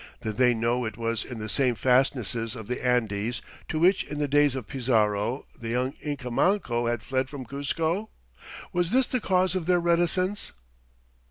Did they know it was in the same fastnesses of the Andes to which in the days of Pizarro the young Inca Manco had fled from Cuzco? Was this the cause of their reticence?